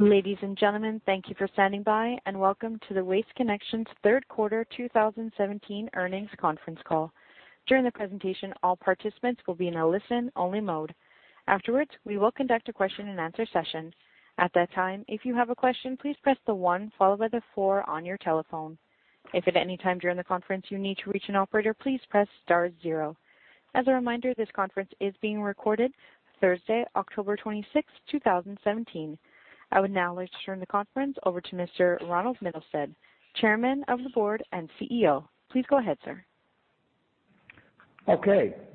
Ladies and gentlemen, thank you for standing by, and welcome to the Waste Connections third quarter 2017 earnings conference call. During the presentation, all participants will be in a listen-only mode. Afterwards, we will conduct a question-and-answer session. At that time, if you have a question, please press the one followed by the four on your telephone. If at any time during the conference you need to reach an operator, please press star zero. As a reminder, this conference is being recorded Thursday, October 26th, 2017. I would now like to turn the conference over to Mr. Ronald Mittelstaedt, Chairman of the Board and CEO. Please go ahead, sir.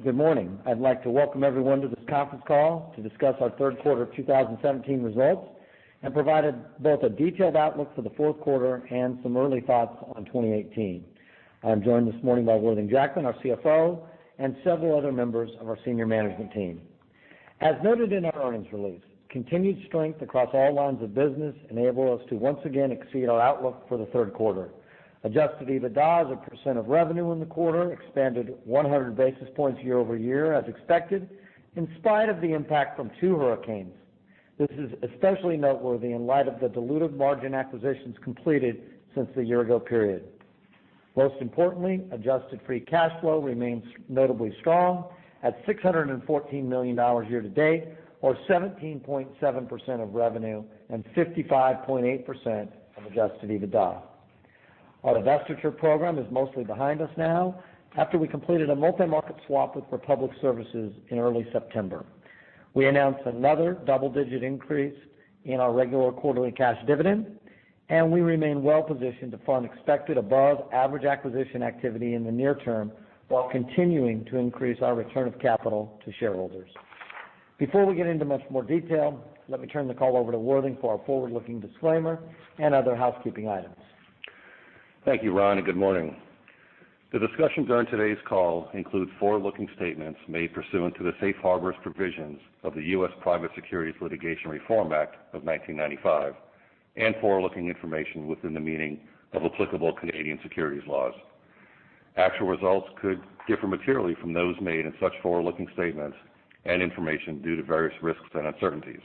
Good morning. I'd like to welcome everyone to this conference call to discuss our third quarter of 2017 results and provide both a detailed outlook for the fourth quarter and some early thoughts on 2018. I'm joined this morning by Worthing Jackman, our CFO, and several other members of our senior management team. As noted in our earnings release, continued strength across all lines of business enable us to once again exceed our outlook for the third quarter. Adjusted EBITDA as a percent of revenue in the quarter expanded 100 basis points year-over-year as expected, in spite of the impact from two hurricanes. This is especially noteworthy in light of the dilutive margin acquisitions completed since the year ago period. Most importantly, adjusted free cash flow remains notably strong at $614 million year to date, or 17.7% of revenue and 55.8% of adjusted EBITDA. Our divestiture program is mostly behind us now, after we completed a multi-market swap with Republic Services in early September. We announced another double-digit increase in our regular quarterly cash dividend, we remain well positioned to fund expected above-average acquisition activity in the near term while continuing to increase our return of capital to shareholders. Before we get into much more detail, let me turn the call over to Worthing for our forward-looking disclaimer and other housekeeping items. Thank you, Ron. Good morning. The discussions during today's call include forward-looking statements made pursuant to the safe harbors provisions of the U.S. Private Securities Litigation Reform Act of 1995 and forward-looking information within the meaning of applicable Canadian securities laws. Actual results could differ materially from those made in such forward-looking statements and information due to various risks and uncertainties.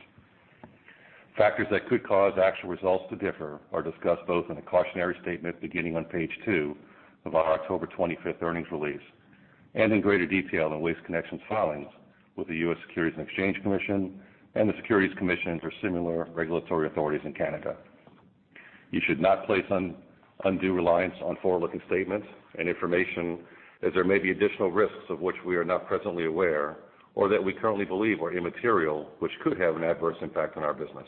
Factors that could cause actual results to differ are discussed both in the cautionary statement beginning on page two of our October 25th earnings release and in greater detail in Waste Connection's filings with the U.S. Securities and Exchange Commission and the Securities Commission for similar regulatory authorities in Canada. You should not place undue reliance on forward-looking statements and information as there may be additional risks of which we are not presently aware or that we currently believe are immaterial, which could have an adverse impact on our business.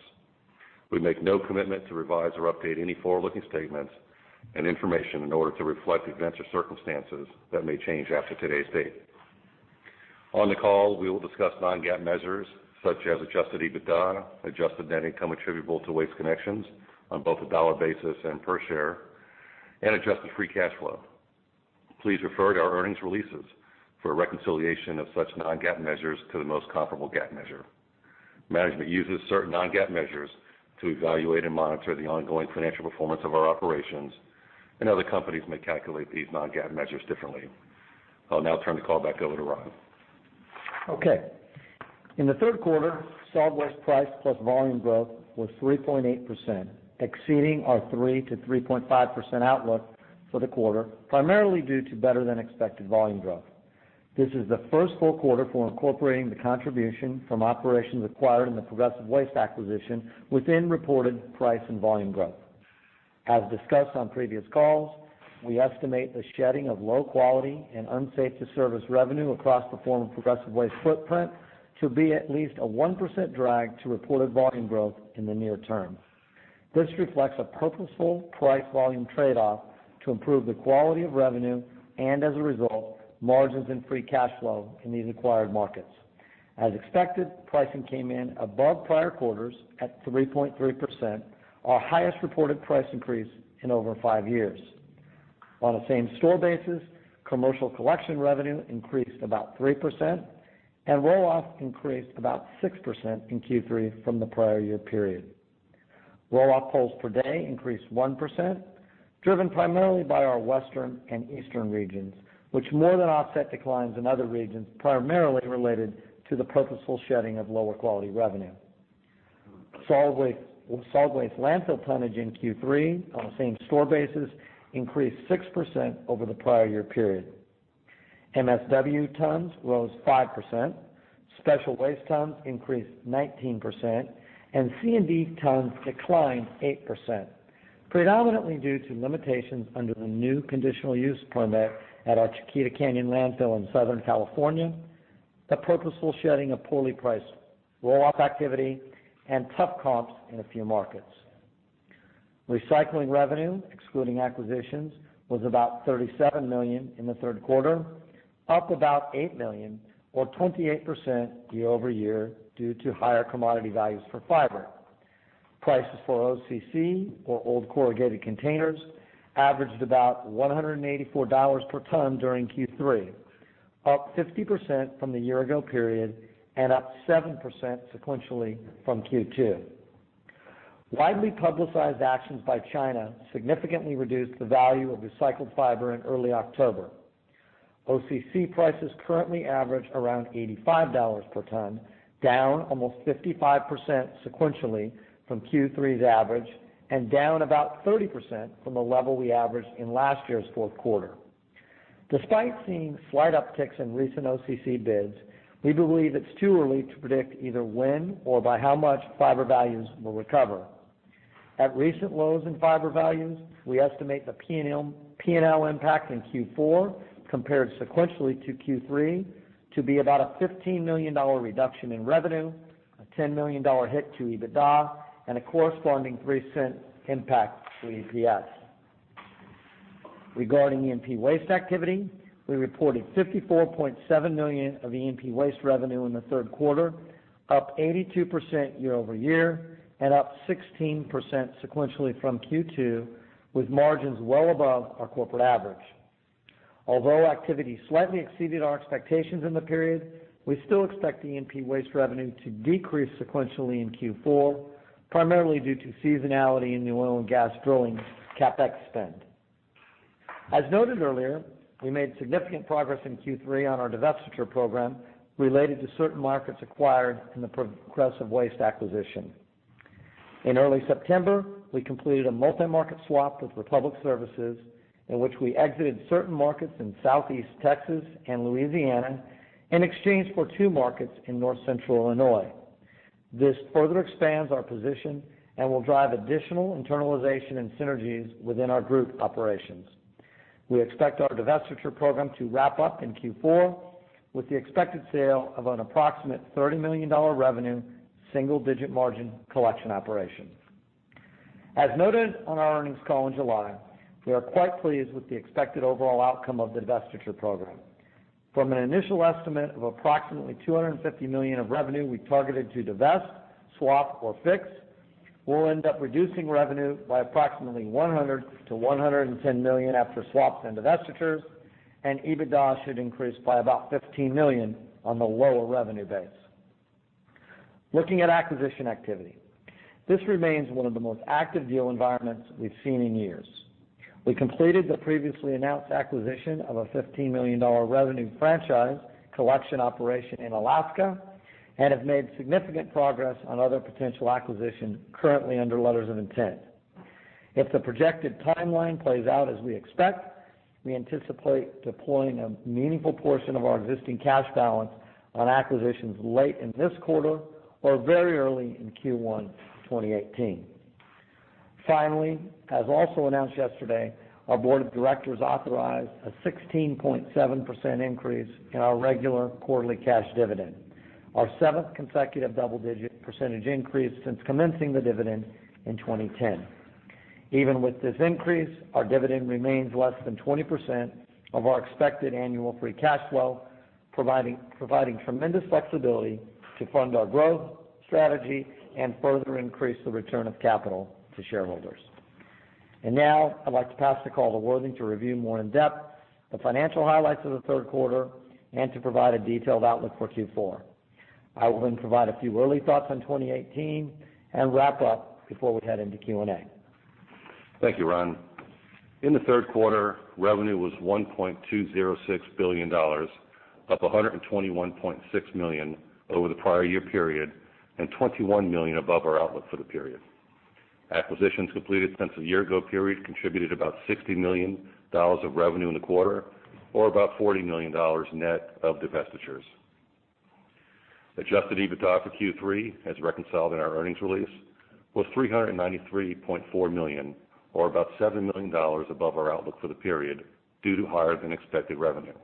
We make no commitment to revise or update any forward-looking statements and information in order to reflect events or circumstances that may change after today's date. On the call, we will discuss non-GAAP measures such as adjusted EBITDA, adjusted net income attributable to Waste Connections on both a dollar basis and per share, and adjusted free cash flow. Please refer to our earnings releases for a reconciliation of such non-GAAP measures to the most comparable GAAP measure. Management uses certain non-GAAP measures to evaluate and monitor the ongoing financial performance of our operations, and other companies may calculate these non-GAAP measures differently. I'll now turn the call back over to Ron. Okay. In the third quarter, Solid Waste price plus volume growth was 3.8%, exceeding our 3%-3.5% outlook for the quarter, primarily due to better than expected volume growth. This is the first full quarter for incorporating the contribution from operations acquired in the Progressive Waste acquisition within reported price and volume growth. As discussed on previous calls, we estimate the shedding of low quality and unsafe to service revenue across the former Progressive Waste footprint to be at least a 1% drag to reported volume growth in the near term. This reflects a purposeful price-volume trade-off to improve the quality of revenue and, as a result, margins and free cash flow in these acquired markets. As expected, pricing came in above prior quarters at 3.3%, our highest reported price increase in over five years. On a same-store basis, commercial collection revenue increased about 3%, and Roll-off increased about 6% in Q3 from the prior year period. Roll-off pulls per day increased 1%, driven primarily by our Western and Eastern regions, which more than offset declines in other regions primarily related to the purposeful shedding of lower quality revenue. Solid Waste landfill tonnage in Q3 on a same-store basis increased 6% over the prior year period. MSW tons rose 5%, special waste tons increased 19%, and C&D tons declined 8%, predominantly due to limitations under the new conditional use permit at our Chiquita Canyon landfill in Southern California, the purposeful shedding of poorly priced Roll-off activity, and tough comps in a few markets. Recycling revenue, excluding acquisitions, was about $37 million in the third quarter, up about $8 million or 28% year-over-year due to higher commodity values for fiber. Prices for OCC, or old corrugated containers, averaged about $184 per ton during Q3, up 50% from the year-ago period and up 7% sequentially from Q2. Widely publicized actions by China significantly reduced the value of recycled fiber in early October. OCC prices currently average around $85 per ton, down almost 55% sequentially from Q3's average, and down about 30% from the level we averaged in last year's fourth quarter. Despite seeing slight upticks in recent OCC bids, we believe it's too early to predict either when or by how much fiber values will recover. At recent lows in fiber values, we estimate the P&L impact in Q4 compared sequentially to Q3 to be about a $15 million reduction in revenue, a $10 million hit to EBITDA, and a corresponding $0.03 impact to EPS. Regarding E&P waste activity, we reported $54.7 million of E&P waste revenue in the third quarter, up 82% year-over-year, and up 16% sequentially from Q2, with margins well above our corporate average. Although activity slightly exceeded our expectations in the period, we still expect E&P waste revenue to decrease sequentially in Q4, primarily due to seasonality in the oil and gas drilling CapEx spend. As noted earlier, we made significant progress in Q3 on our divestiture program related to certain markets acquired in the Progressive Waste acquisition. In early September, we completed a multi-market swap with Republic Services, in which we exited certain markets in Southeast Texas and Louisiana in exchange for two markets in North Central Illinois. This further expands our position and will drive additional internalization and synergies within our group operations. We expect our divestiture program to wrap up in Q4, with the expected sale of an approximate $30 million revenue, single-digit margin collection operation. As noted on our earnings call in July, we are quite pleased with the expected overall outcome of the divestiture program. From an initial estimate of approximately $250 million of revenue we targeted to divest, swap, or fix, we'll end up reducing revenue by approximately $100 million-$110 million after swaps and divestitures, and EBITDA should increase by about $15 million on the lower revenue base. Looking at acquisition activity. This remains one of the most active deal environments we've seen in years. We completed the previously announced acquisition of a $15 million revenue franchise collection operation in Alaska, and have made significant progress on other potential acquisitions currently under letters of intent. If the projected timeline plays out as we expect, we anticipate deploying a meaningful portion of our existing cash balance on acquisitions late in this quarter or very early in Q1 2018. As also announced yesterday, our board of directors authorized a 16.7% increase in our regular quarterly cash dividend, our seventh consecutive double-digit percentage increase since commencing the dividend in 2010. Even with this increase, our dividend remains less than 20% of our expected annual free cash flow, providing tremendous flexibility to fund our growth strategy and further increase the return of capital to shareholders. Now I'd like to pass the call to Worthing to review more in depth the financial highlights of the third quarter and to provide a detailed outlook for Q4. I will then provide a few early thoughts on 2018 and wrap up before we head into Q&A. Thank you, Ron. In the third quarter, revenue was $1.206 billion, up $121.6 million over the prior year period and $21 million above our outlook for the period. Acquisitions completed since a year ago period contributed about $60 million of revenue in the quarter, or about $40 million net of divestitures. adjusted EBITDA for Q3, as reconciled in our earnings release, was $393.4 million, or about $7 million above our outlook for the period due to higher-than-expected revenue.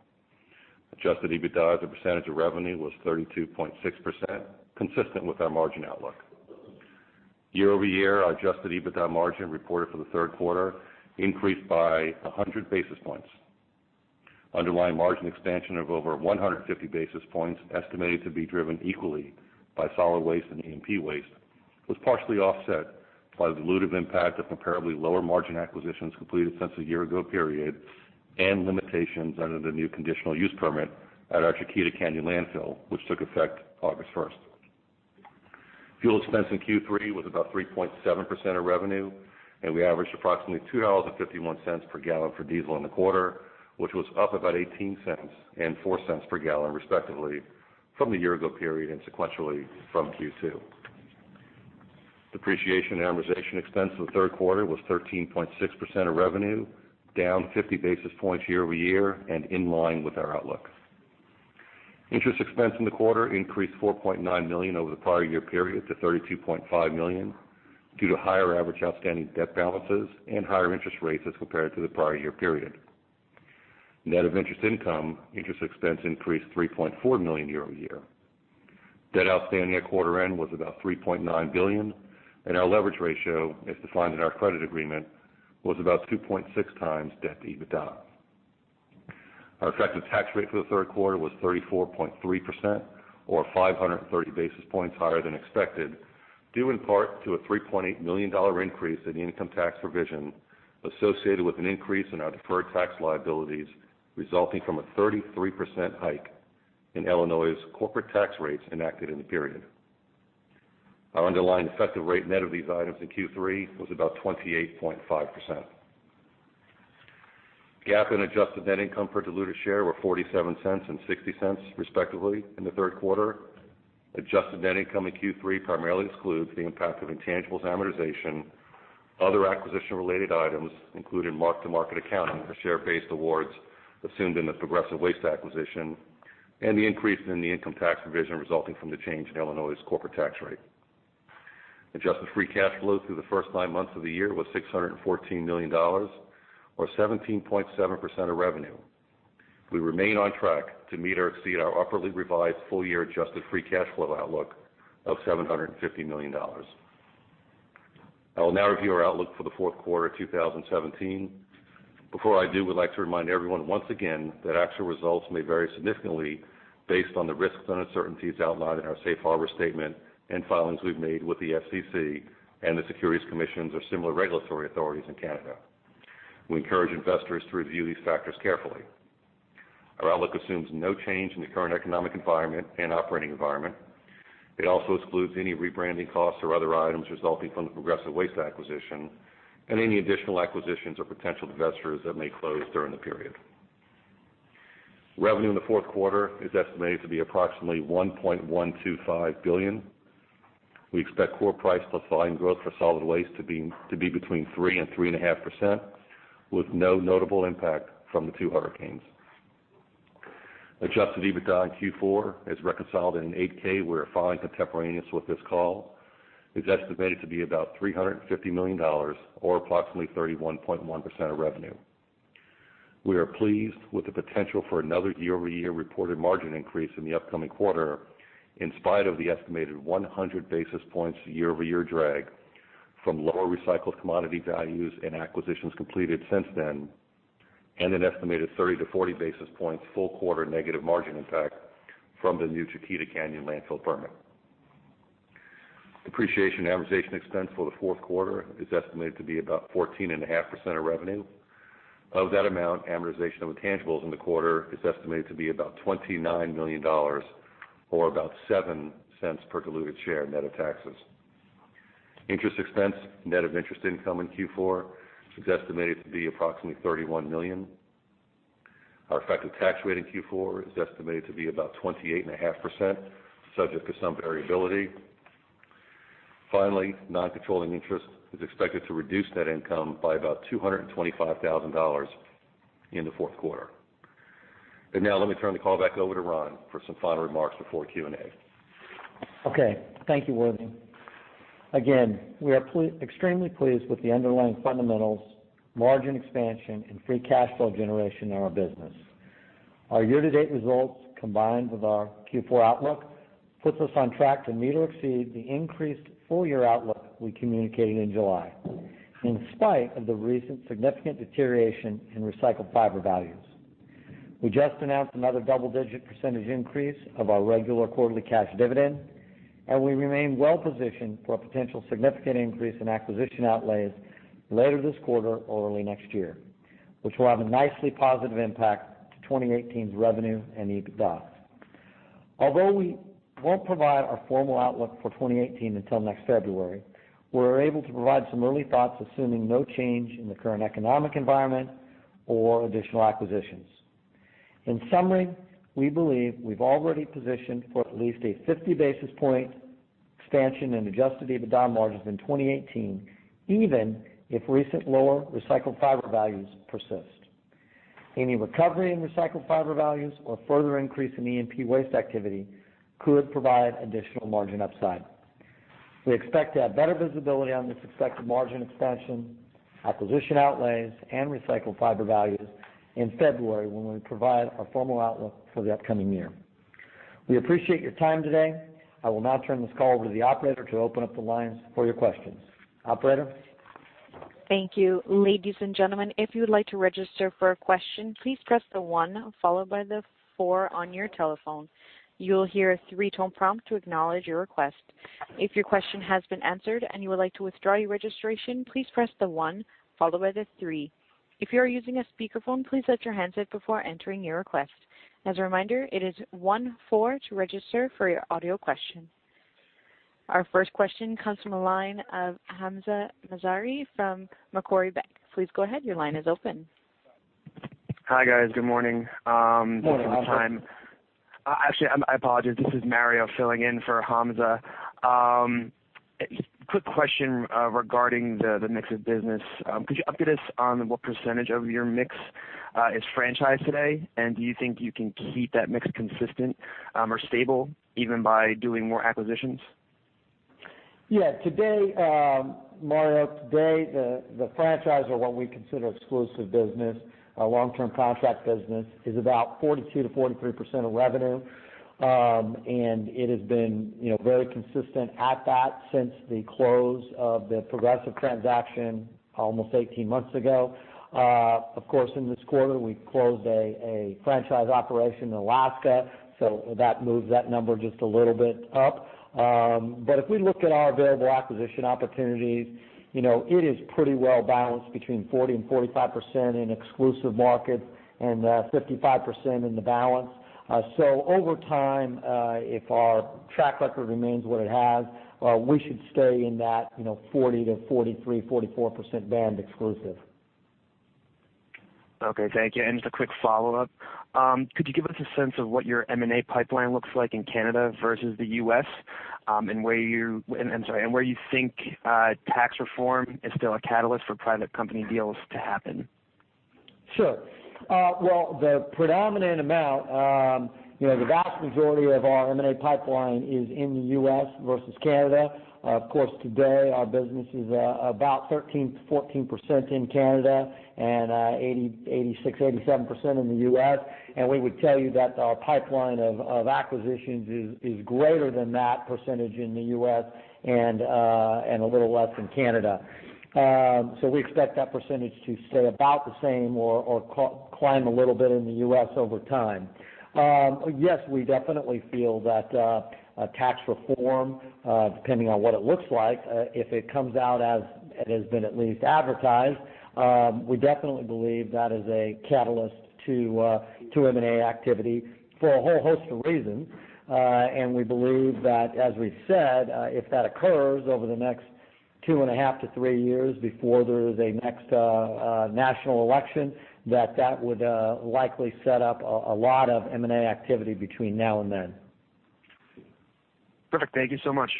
adjusted EBITDA as a percentage of revenue was 32.6%, consistent with our margin outlook. year-over-year, our adjusted EBITDA margin reported for the third quarter increased by 100 basis points. Underlying margin expansion of over 150 basis points, estimated to be driven equally by solid waste and E&P waste, was partially offset by the dilutive impact of comparably lower margin acquisitions completed since the year ago period and limitations under the new conditional use permit at our Chiquita Canyon landfill, which took effect August 1st. Fuel expense in Q3 was about 3.7% of revenue. We averaged approximately $2.51 per gallon for diesel in the quarter, which was up about $0.18 and $0.04 per gallon, respectively, from the year ago period and sequentially from Q2. Depreciation and amortization expense for the third quarter was 13.6% of revenue, down 50 basis points year-over-year and in line with our outlook. Interest expense in the quarter increased $4.9 million over the prior year period to $32.5 million due to higher average outstanding debt balances and higher interest rates as compared to the prior year period. Net of interest income, interest expense increased $3.4 million year-over-year. Debt outstanding at quarter end was about $3.9 billion. Our leverage ratio, as defined in our credit agreement, was about 2.6 times debt to EBITDA. Our effective tax rate for the third quarter was 34.3%, or 530 basis points higher than expected, due in part to a $3.8 million increase in income tax provision associated with an increase in our deferred tax liabilities resulting from a 33% hike in Illinois' corporate tax rates enacted in the period. Our underlying effective rate net of these items in Q3 was about 28.5%. GAAP and adjusted net income per diluted share were $0.47 and $0.60, respectively, in the third quarter. adjusted net income in Q3 primarily excludes the impact of intangibles amortization, other acquisition-related items, including mark-to-market accounting for share-based awards assumed in the Progressive Waste acquisition, and the increase in the income tax provision resulting from the change in Illinois' corporate tax rate. adjusted free cash flow through the first nine months of the year was $614 million or 17.7% of revenue. We remain on track to meet or exceed our upwardly revised full-year adjusted free cash flow outlook of $750 million. I will now review our outlook for the fourth quarter 2017. Before I do, we'd like to remind everyone once again that actual results may vary significantly based on the risks and uncertainties outlined in our safe harbor statement and filings we've made with the SEC and the securities commissions or similar regulatory authorities in Canada. We encourage investors to review these factors carefully. Our outlook assumes no change in the current economic environment and operating environment. It also excludes any rebranding costs or other items resulting from the Progressive Waste acquisition and any additional acquisitions or potential divestitures that may close during the period. Revenue in the fourth quarter is estimated to be approximately $1.125 billion. We expect core price plus volume growth for solid waste to be between 3% and 3.5%, with no notable impact from the two hurricanes. Adjusted EBITDA in Q4, as reconciled in an 8-K we're filing contemporaneous with this call, is estimated to be about $350 million or approximately 31.1% of revenue. We are pleased with the potential for another year-over-year reported margin increase in the upcoming quarter, in spite of the estimated 100 basis points year-over-year drag from lower recycled commodity values and acquisitions completed since then, and an estimated 30 to 40 basis points full quarter negative margin impact from the new Chiquita Canyon landfill permit. Depreciation and amortization expense for the fourth quarter is estimated to be about 14.5% of revenue. Of that amount, amortization of intangibles in the quarter is estimated to be about $29 million or about $0.07 per diluted share net of taxes. Interest expense net of interest income in Q4 is estimated to be approximately $31 million. Our effective tax rate in Q4 is estimated to be about 28.5%, subject to some variability. Finally, non-controlling interest is expected to reduce net income by about $225,000 in the fourth quarter. Now let me turn the call back over to Ron for some final remarks before Q&A. Okay. Thank you, Worthy. Again, we are extremely pleased with the underlying fundamentals, margin expansion, and free cash flow generation in our business. Our year-to-date results, combined with our Q4 outlook, puts us on track to meet or exceed the increased full-year outlook we communicated in July, in spite of the recent significant deterioration in recycled fiber values. We just announced another double-digit % increase of our regular quarterly cash dividend, and we remain well-positioned for a potential significant increase in acquisition outlays later this quarter or early next year, which will have a nicely positive impact to 2018's revenue and EBITDA. Although we won't provide our formal outlook for 2018 until next February, we're able to provide some early thoughts, assuming no change in the current economic environment or additional acquisitions. In summary, we believe we've already positioned for at least a 50-basis-point expansion in adjusted EBITDA margins in 2018, even if recent lower recycled fiber values persist. Any recovery in recycled fiber values or further increase in E&P waste activity could provide additional margin upside. We expect to have better visibility on this expected margin expansion, acquisition outlays, and recycled fiber values in February when we provide our formal outlook for the upcoming year. We appreciate your time today. I will now turn this call over to the operator to open up the lines for your questions. Operator? Thank you. Ladies and gentlemen, if you would like to register for a question, please press the one followed by the four on your telephone. You will hear a three-tone prompt to acknowledge your request. If your question has been answered and you would like to withdraw your registration, please press the one followed by the three. If you are using a speakerphone, please mute your handset before entering your request. As a reminder, it is one-four to register for your audio question. Our first question comes from the line of Hamza Mazari from Macquarie. Please go ahead. Your line is open. Hi, guys. Good morning. Morning, Hamza. Actually, I apologize. This is Mario filling in for Hamza. Quick question regarding the mix of business. Could you update us on what % of your mix is franchise today? Do you think you can keep that mix consistent or stable even by doing more acquisitions? Yeah. Mario, today, the franchise or what we consider exclusive business, our long-term contract business, is about 42%-43% of revenue. It has been very consistent at that since the close of the Progressive transaction almost 18 months ago. Of course, in this quarter, we closed a franchise operation in Alaska, that moved that number just a little bit up. If we look at our available acquisition opportunities, it is pretty well balanced between 40% and 45% in exclusive markets and 55% in the balance. Over time, if our track record remains what it has, we should stay in that 40%-43%, 44% band exclusive. Okay. Thank you. Just a quick follow-up. Could you give us a sense of what your M&A pipeline looks like in Canada versus the U.S., where you think tax reform is still a catalyst for private company deals to happen? Sure. Well, the predominant amount, the vast majority of our M&A pipeline is in the U.S. versus Canada. Of course, today, our business is about 13%-14% in Canada and 86%, 87% in the U.S. We would tell you that our pipeline of acquisitions is greater than that % in the U.S. and a little less in Canada. We expect that % to stay about the same or climb a little bit in the U.S. over time. Yes, we definitely feel that tax reform depending on what it looks like, if it comes out as it has been at least advertised, we definitely believe that is a catalyst to M&A activity for a whole host of reasons. We believe that as we've said, if that occurs over the next 2.5 to 3 years before there is a next national election, that would likely set up a lot of M&A activity between now and then. Perfect. Thank you so much.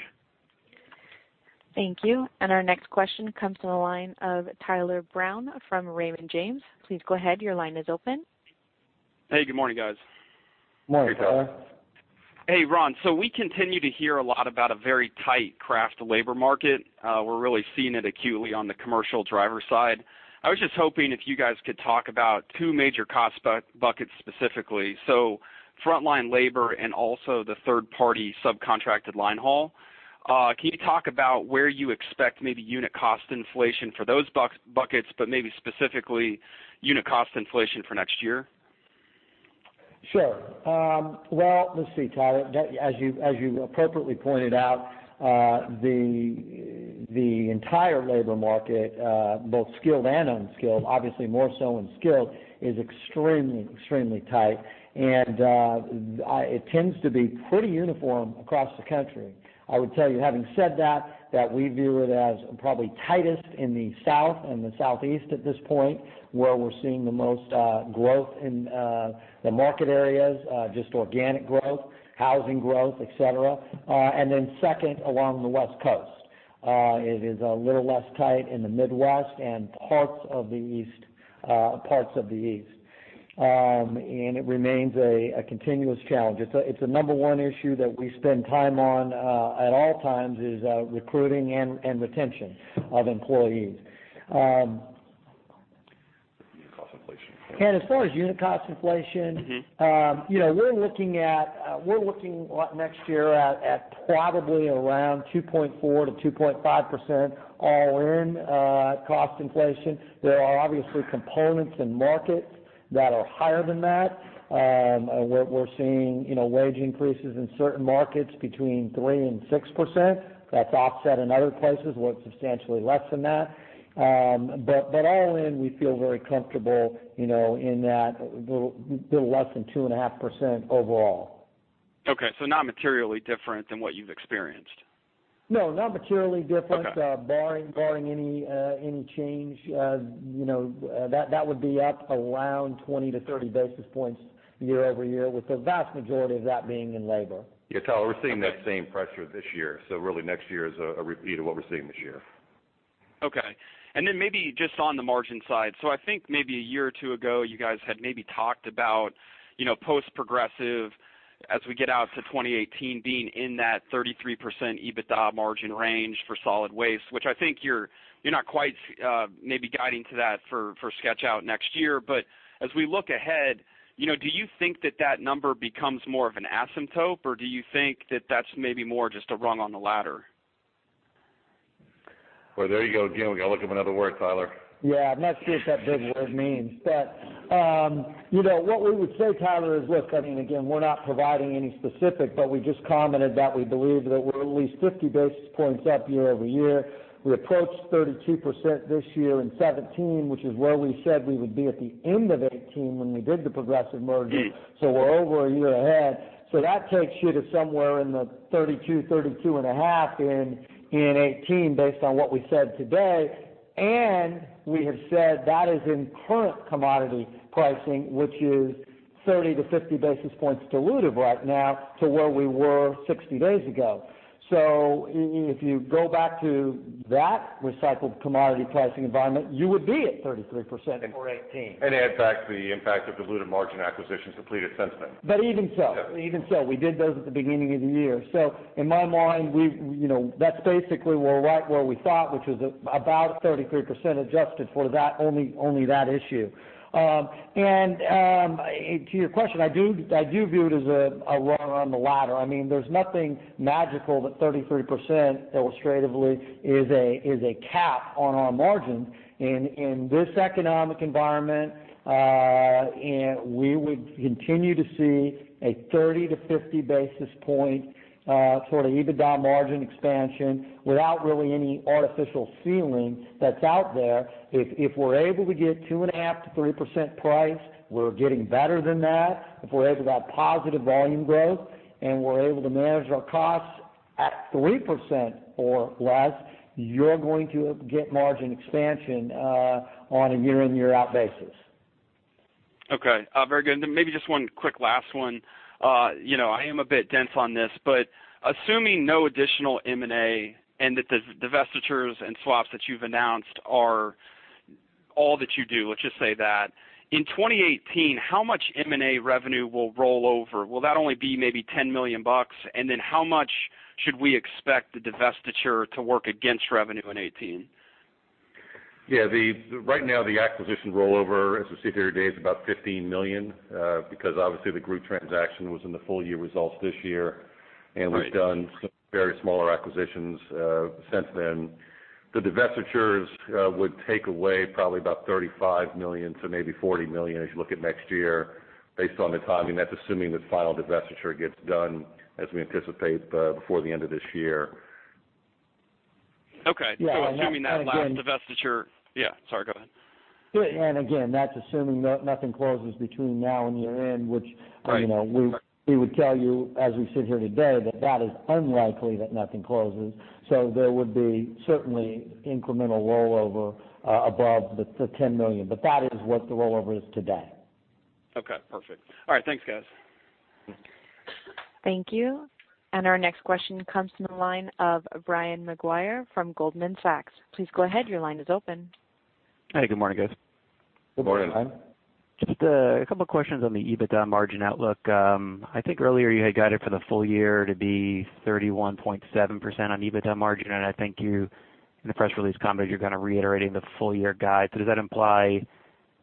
Thank you. Our next question comes from the line of Tyler Brown from Raymond James. Please go ahead. Your line is open. Hey, good morning, guys. Morning, Tyler. Hey, Ron. We continue to hear a lot about a very tight craft labor market. We are really seeing it acutely on the commercial driver side. I was just hoping if you guys could talk about two major cost buckets specifically. Frontline labor and also the third-party subcontracted line haul. Can you talk about where you expect maybe unit cost inflation for those buckets, but maybe specifically unit cost inflation for next year? Sure. Well, let's see, Tyler, as you appropriately pointed out, the entire labor market, both skilled and unskilled, obviously more so in skilled, is extremely tight, and it tends to be pretty uniform across the country. I would tell you, having said that we view it as probably tightest in the South and the Southeast at this point, where we are seeing the most growth in the market areas, just organic growth, housing growth, et cetera. Then second along the West Coast. It is a little less tight in the Midwest and parts of the East. It remains a continuous challenge. It is the number one issue that we spend time on at all times is recruiting and retention of employees. Unit cost inflation. As far as unit cost inflation. we're looking next year at probably around 2.4%-2.5% all in cost inflation. There are obviously components in markets that are higher than that. We're seeing wage increases in certain markets between 3% and 6%. That's offset in other places where it's substantially less than that. All in, we feel very comfortable in that little less than 2.5% overall. Okay. Not materially different than what you've experienced? No, not materially different. Okay. Barring any change, that would be up around 20 to 30 basis points year-over-year, with the vast majority of that being in labor. Yeah, Tyler, we're seeing that same pressure this year. Really next year is a repeat of what we're seeing this year. Okay. Maybe just on the margin side. I think maybe a year or two ago, you guys had maybe talked about, post Progressive as we get out to 2018 being in that 33% EBITDA margin range for solid waste, which I think you're not quite maybe guiding to that for sketch out next year. As we look ahead, do you think that that number becomes more of an asymptote, or do you think that that's maybe more just a rung on the ladder? Well, there you go again. We got to look up another word, Tyler. Yeah. I'm not sure what that big word means. What we would say, Tyler, is, look, again, we're not providing any specific, but we just commented that we believe that we're at least 50 basis points up year-over-year. We approached 32% this year in 2017, which is where we said we would be at the end of 2018 when we did the Progressive merger. We're over a year ahead. That takes you to somewhere in the 32%-32.5% in 2018 based on what we said today. We have said that is in current commodity pricing, which is 30 to 50 basis points dilutive right now to where we were 60 days ago. If you go back to that recycled commodity pricing environment, you would be at 33% for 2018. Add back the impact of dilutive margin acquisitions completed since then. Even so. Yeah. Even so, we did those at the beginning of the year. In my mind, that's basically we're right where we thought, which was about 33% adjusted for only that issue. To your question, I do view it as a rung on the ladder. There's nothing magical that 33% illustratively is a cap on our margin. In this economic environment, we would continue to see a 30-50 basis point sort of EBITDA margin expansion without really any artificial ceiling that's out there. If we're able to get 2.5%-3% price, we're getting better than that. If we're able to have positive volume growth and we're able to manage our costs at 3% or less, you're going to get margin expansion on a year-in-year-out basis. Okay, very good. Maybe just one quick last one. I am a bit dense on this, assuming no additional M&A and that the divestitures and swaps that you've announced are all that you do, let's just say that. In 2018, how much M&A revenue will roll over? Will that only be maybe $10 million? How much should we expect the divestiture to work against revenue in 2018? Yeah. Right now the acquisition rollover, as we sit here today, is about $15 million, because obviously the Groot transaction was in the full year results this year. Right. We've done some very smaller acquisitions since then. The divestitures would take away probably about $35 million-$40 million as you look at next year based on the timing. That's assuming the final divestiture gets done as we anticipate before the end of this year. Okay. Yeah. Assuming that last divestiture. Yeah, sorry, go ahead. Again, that's assuming nothing closes between now and year-end. Right We would tell you, as we sit here today, that is unlikely that nothing closes. There would be certainly incremental rollover above the $10 million. That is what the rollover is today. Okay, perfect. All right. Thanks, guys. Thank you. Our next question comes from the line of Brian Maguire from Goldman Sachs. Please go ahead, your line is open. Hi, good morning, guys. Good morning. Good morning. I think earlier you had guided for the full year to be 31.7% on EBITDA margin, and I think you, in the press release comments, you're kind of reiterating the full year guide. Does that imply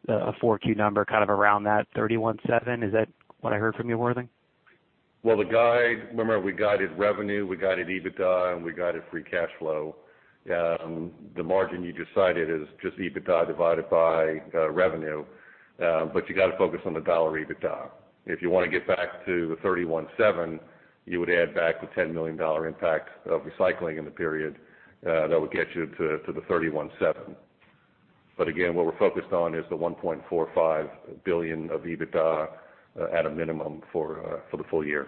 a 4Q number kind of around that 31.7%? Is that what I heard from you, Worthing? The guide, remember we guided revenue, we guided EBITDA, and we guided free cash flow. The margin you just cited is just EBITDA divided by revenue. You got to focus on the dollar EBITDA. If you want to get back to the 31.7%, you would add back the $10 million impact of recycling in the period. That would get you to the 31.7%. Again, what we're focused on is the $1.45 billion of EBITDA at a minimum for the full year.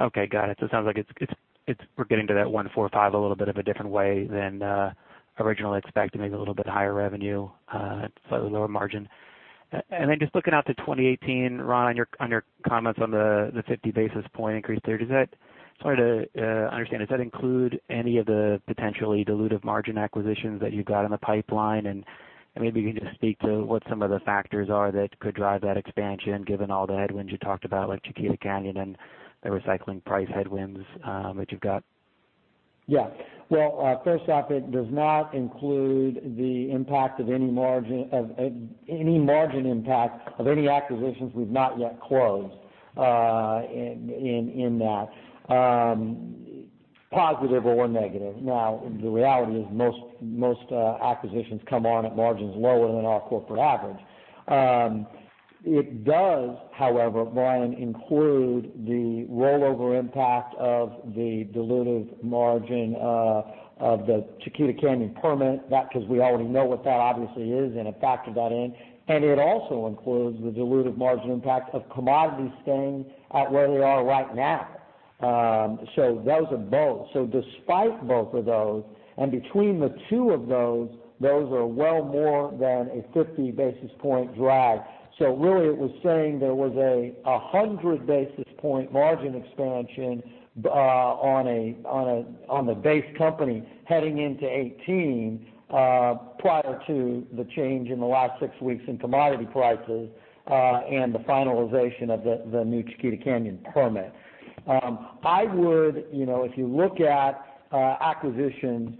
Got it. It sounds like we're getting to that $1.45 billion a little bit of a different way than originally expected. Maybe a little bit higher revenue, slightly lower margin. Looking out to 2018, Ron, on your comments on the 50 basis point increase there. Sorry to understand, does that include any of the potentially dilutive margin acquisitions that you've got in the pipeline? Maybe can you just speak to what some of the factors are that could drive that expansion, given all the headwinds you talked about, like Chiquita Canyon and the recycling price headwinds that you've got? Yeah. First off, it does not include any margin impact of any acquisitions we've not yet closed in that. Positive or negative. The reality is most acquisitions come on at margins lower than our corporate average. It does, however, Brian, include the rollover impact of the dilutive margin of the Chiquita Canyon permit, because we already know what that obviously is and have factored that in. It also includes the dilutive margin impact of commodities staying at where they are right now. Those are both. Despite both of those, and between the two of those are well more than a 50 basis point drag. Really it was saying there was a 100 basis point margin expansion on the base company heading into 2018, prior to the change in the last six weeks in commodity prices, and the finalization of the new Chiquita Canyon permit. If you look at acquisitions,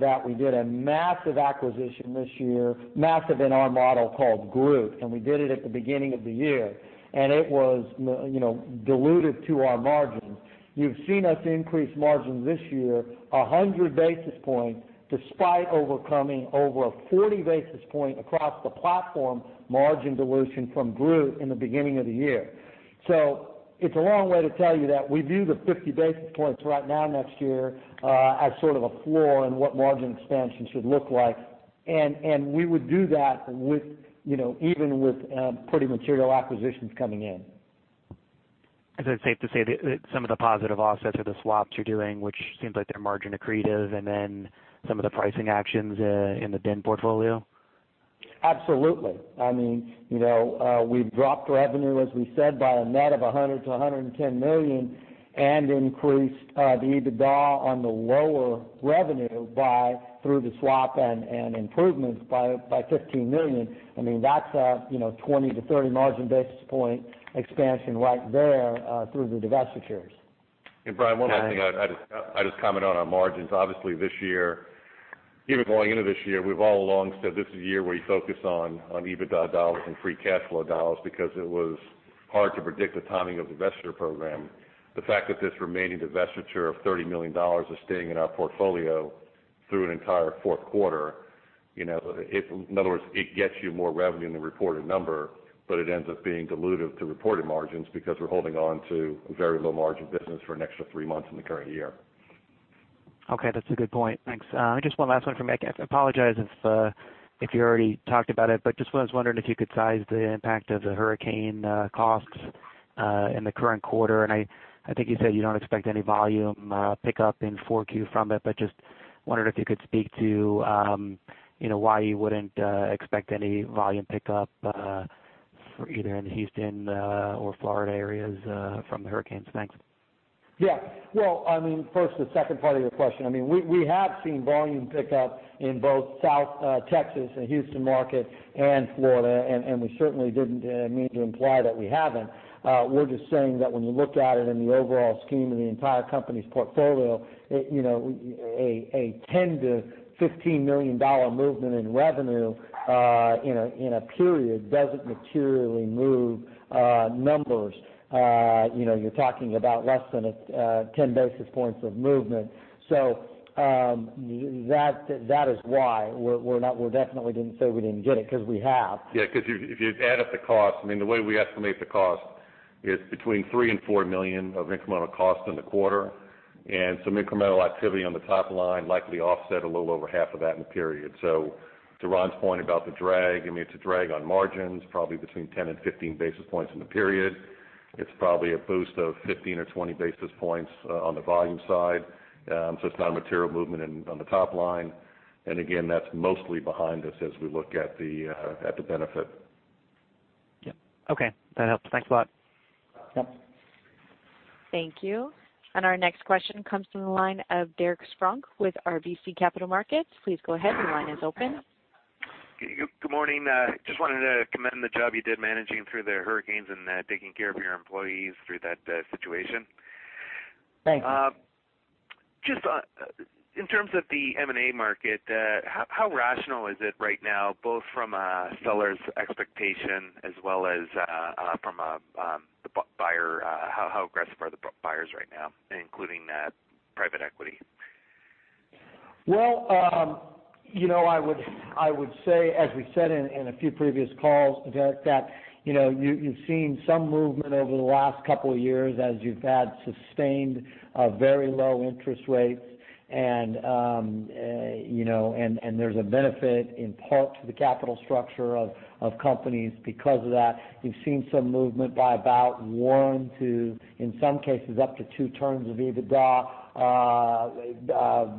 we did a massive acquisition this year, massive in our model called Groot, and we did it at the beginning of the year. It was dilutive to our margin. You've seen us increase margins this year 100 basis points despite overcoming over a 40 basis point across the platform margin dilution from Groot in the beginning of the year. It's a long way to tell you that we view the 50 basis points right now next year as sort of a floor in what margin expansion should look like. We would do that even with pretty material acquisitions coming in. Is it safe to say that some of the positive offsets are the swaps you're doing, which seems like they're margin accretive, some of the pricing actions in the BIN portfolio? Absolutely. We've dropped revenue, as we said, by a net of $100 million-$110 million and increased the EBITDA on the lower revenue through the swap and improvements by $15 million. That's a 20-30 margin basis point expansion right there through the divestitures. Brian, one other thing I'd just comment on margins. Obviously this year, even going into this year, we've all along said this is a year where you focus on EBITDA dollars and free cash flow dollars because it was hard to predict the timing of the divestiture program. The fact that this remaining divestiture of $30 million is staying in our portfolio through an entire fourth quarter. In other words, it gets you more revenue in the reported number, but it ends up being dilutive to reported margins because we're holding on to very low margin business for an extra three months in the current year. Okay, that's a good point. Thanks. Just one last one from me. I apologize if you already talked about it, but just was wondering if you could size the impact of the hurricane costs in the current quarter. I think you said you don't expect any volume pickup in 4Q from it, but just wondered if you could speak to why you wouldn't expect any volume pickup for either in the Houston or Florida areas from the hurricanes. Thanks. Yeah. Well, first, the second part of your question. We have seen volume pick up in both South Texas and Houston market and Florida. We certainly didn't mean to imply that we haven't. We're just saying that when you look at it in the overall scheme of the entire company's portfolio, a $10 million-$15 million movement in revenue in a period doesn't materially move numbers. You're talking about less than 10 basis points of movement. That is why. We definitely didn't say we didn't get it, because we have. Yeah, because if you add up the cost, the way we estimate the cost is between $3 million-$4 million of incremental cost in the quarter, some incremental activity on the top line likely offset a little over half of that in the period. To Ron's point about the drag, it's a drag on margins, probably between 10-15 basis points in the period. It's probably a boost of 15 or 20 basis points on the volume side. It's not a material movement on the top line. Again, that's mostly behind us as we look at the benefit. Yep. Okay, that helps. Thanks a lot. Yep. Thank you. Our next question comes from the line of Derek Spronck with RBC Capital Markets. Please go ahead. Your line is open. Good morning. Just wanted to commend the job you did managing through the hurricanes and taking care of your employees through that situation. Thanks. Just in terms of the M&A market, how rational is it right now, both from a seller's expectation as well as from a buyer? How aggressive are the buyers right now, including private equity? Well, I would say, as we said in a few previous calls, Derek, that you've seen some movement over the last couple of years as you've had sustained very low interest rates, and there's a benefit in part to the capital structure of companies because of that. You've seen some movement by about one to, in some cases, up to two turns of EBITDA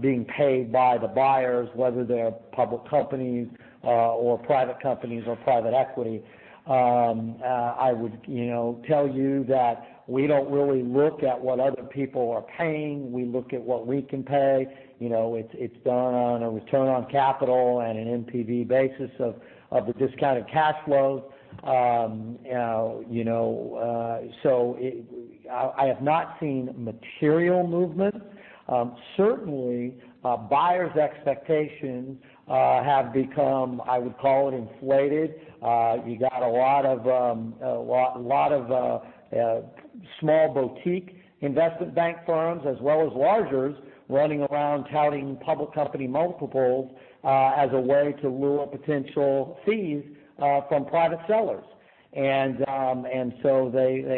being paid by the buyers, whether they're public companies or private companies or private equity. I would tell you that we don't really look at what other people are paying. We look at what we can pay. It's done on a return on capital and an NPV basis of the discounted cash flows. I have not seen material movement. Certainly, buyers' expectations have become, I would call it, inflated. You got a lot of small boutique investment bank firms as well as largers running around touting public company multiples as a way to lure potential fees from private sellers. They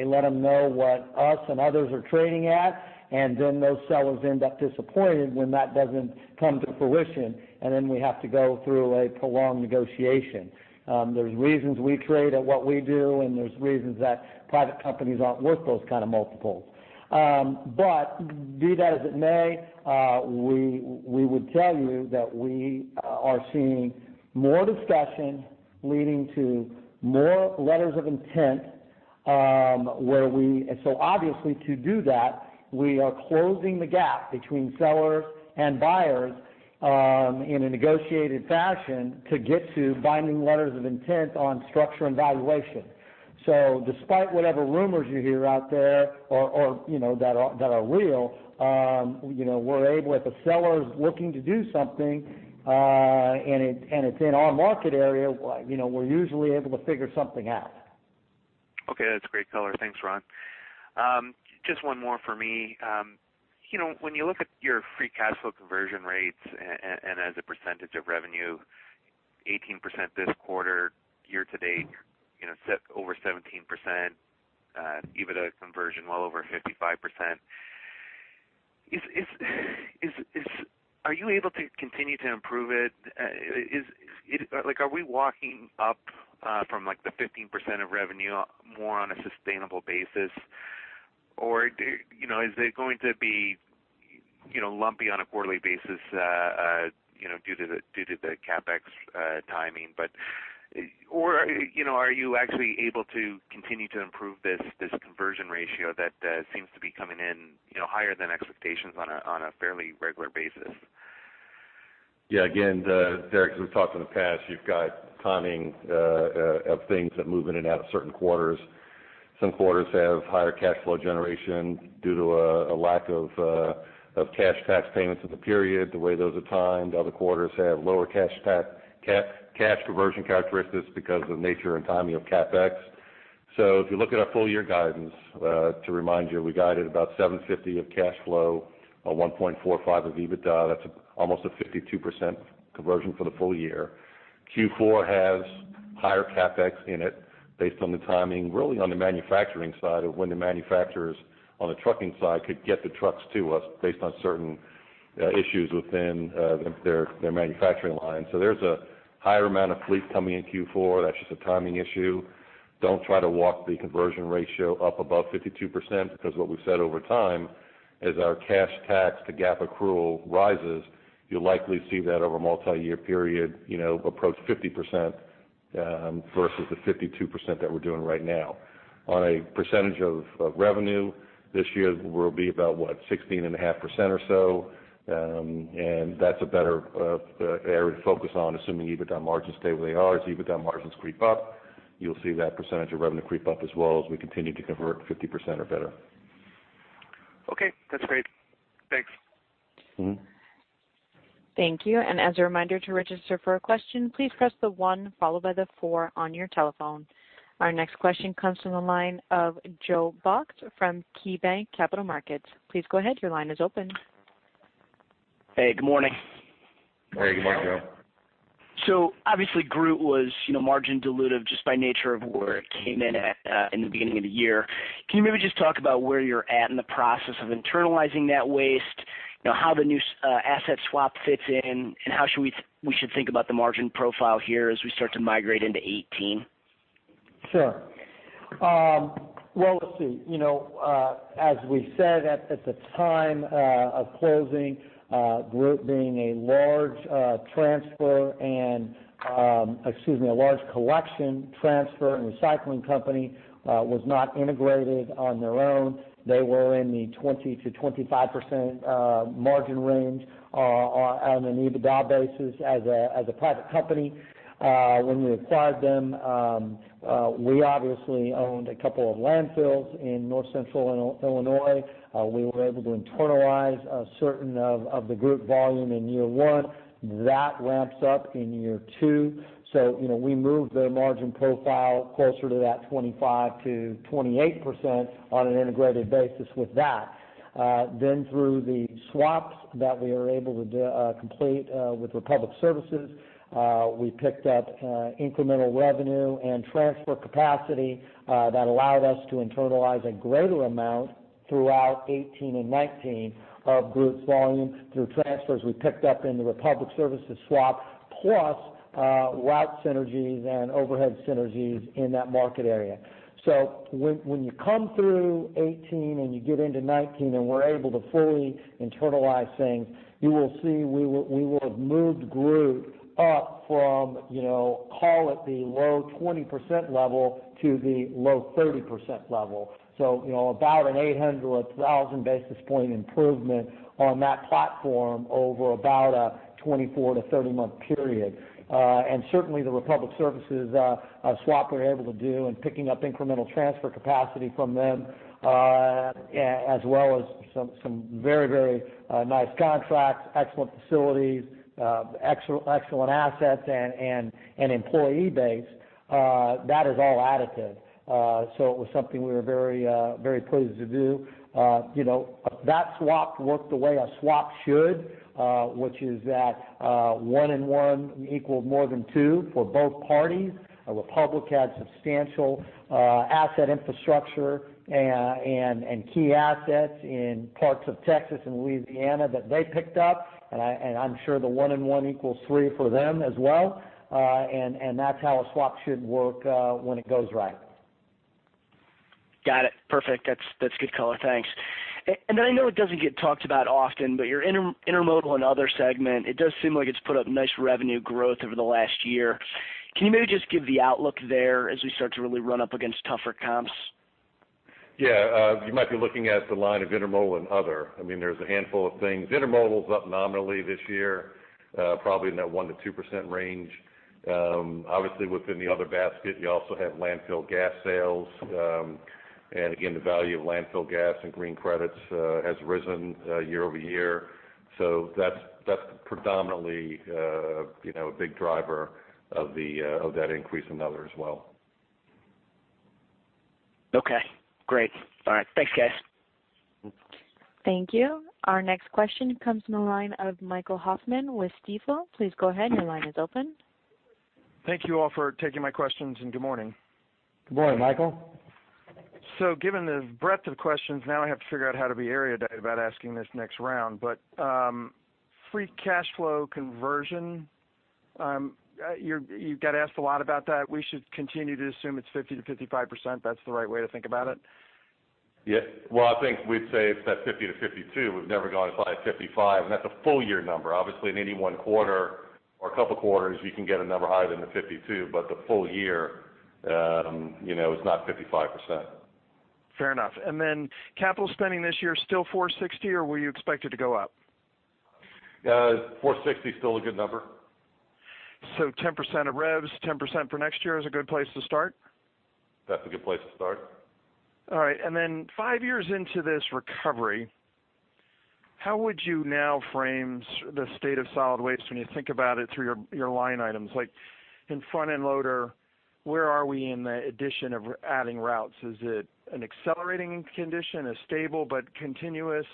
let them know what us and others are trading at, and then those sellers end up disappointed when that doesn't come to fruition, and then we have to go through a prolonged negotiation. There's reasons we trade at what we do, and there's reasons that private companies aren't worth those kind of multiples. Be that as it may, we would tell you that we are seeing more discussion leading to more letters of intent. Obviously to do that, we are closing the gap between sellers and buyers in a negotiated fashion to get to binding letters of intent on structure and valuation. Despite whatever rumors you hear out there that are real, if a seller's looking to do something and it's in our market area, we're usually able to figure something out. Okay. That's great color. Thanks, Ron. Just one more for me. When you look at your free cash flow conversion rates and as a percentage of revenue, 18% this quarter, year to date, over 17%, EBITDA conversion well over 55%. Are you able to continue to improve it? Are we walking up from the 15% of revenue more on a sustainable basis? Or is it going to be lumpy on a quarterly basis due to the CapEx timing? Or are you actually able to continue to improve this conversion ratio that seems to be coming in higher than expectations on a fairly regular basis? Yeah. Again, Derek, as we've talked in the past, you've got timing of things that move in and out of certain quarters. Some quarters have higher cash flow generation due to a lack of cash tax payments in the period, the way those are timed. Other quarters have lower cash conversion characteristics because of the nature and timing of CapEx. If you look at our full year guidance, to remind you, we guided about $750 million of cash flow, a $1.45 billion of EBITDA. That's almost a 52% conversion for the full year. Q4 has higher CapEx in it based on the timing, really on the manufacturing side of when the manufacturers on the trucking side could get the trucks to us based on certain issues within their manufacturing line. There's a higher amount of fleet coming in Q4. That's just a timing issue. Don't try to walk the conversion ratio up above 52%, because what we've said over time is our cash tax to GAAP accrual rises, you'll likely see that over a multi-year period, approach 50% versus the 52% that we're doing right now. On a percentage of revenue, this year will be about what, 16.5% or so. That's a better area to focus on, assuming EBITDA margins stay where they are. As EBITDA margins creep up, you'll see that percentage of revenue creep up as well as we continue to convert 50% or better. Okay, that's great. Thanks. As a reminder to register for a question, please press the one followed by the four on your telephone. Our next question comes from the line of Joe Box from KeyBanc Capital Markets. Please go ahead, your line is open. Hey, good morning. Hey, good morning, Joe. Obviously, Groot was margin dilutive just by nature of where it came in at in the beginning of the year. Can you maybe just talk about where you're at in the process of internalizing that waste? How the new asset swap fits in, and how we should think about the margin profile here as we start to migrate into 2018? Sure. Well, let's see. As we said at the time of closing, Groot being a large transfer and excuse me, a large collection, transfer, and recycling company was not integrated on their own. They were in the 20%-25% margin range on an EBITDA basis as a private company. When we acquired them, we obviously owned a couple of landfills in North Central Illinois. We were able to internalize a certain of the Groot volume in year one. That ramps up in year two. We moved their margin profile closer to that 25%-28% on an integrated basis with that. Through the swaps that we were able to complete with Republic Services, we picked up incremental revenue and transfer capacity that allowed us to internalize a greater amount throughout 2018 and 2019 of Groot's volume through transfers we picked up in the Republic Services swap, plus route synergies and overhead synergies in that market area. When you come through 2018 and you get into 2019, and we're able to fully internalize things, you will see we will have moved Groot up from, call it the low 20% level to the low 30% level. About an 800 or 1,000 basis point improvement on that platform over about a 24-30-month period. Certainly, the Republic Services swap we were able to do and picking up incremental transfer capacity from them, as well as some very nice contracts, excellent facilities, excellent assets, and employee base, that is all additive. It was something we were very pleased to do. That swap worked the way a swap should, which is that one and one equaled more than two for both parties. Republic had substantial asset infrastructure and key assets in parts of Texas and Louisiana that they picked up. I'm sure the one and one equals three for them as well. That's how a swap should work when it goes right. Got it. Perfect. That's good color. Thanks. Then I know it doesn't get talked about often, but your Intermodal and Other segment, it does seem like it's put up nice revenue growth over the last year. Can you maybe just give the outlook there as we start to really run up against tougher comps? Yeah. You might be looking at the line of Intermodal and Other. There's a handful of things. Intermodal's up nominally this year, probably in that 1%-2% range. Obviously, within the Other basket, you also have landfill gas sales. Again, the value of landfill gas and green credits has risen year-over-year. That's predominantly a big driver of that increase in Other as well. Okay, great. All right. Thanks, guys. Thank you. Our next question comes from the line of Michael Hoffman with Stifel. Please go ahead, your line is open. Thank you all for taking my questions, and good morning. Good morning, Michael. Given the breadth of questions, now I have to figure out how to be articulate about asking this next round. Free cash flow conversion, you've got asked a lot about that. We should continue to assume it's 50%-55%, that's the right way to think about it? Yeah. Well, I think we'd say it's at 50%-52%. We've never gone as high as 55%, and that's a full year number. Obviously, in any one quarter or a couple of quarters, you can get a number higher than the 52%, but the full year, it's not 55%. Fair enough. Capital spending this year, still $460, or will you expect it to go up? 460 is still a good number. 10% of revs, 10% for next year is a good place to start? That's a good place to start. All right. Then five years into this recovery, how would you now frame the state of solid waste when you think about it through your line items? In front-end loader, where are we in the addition of adding routes? Is it an accelerating condition, a stable but continuous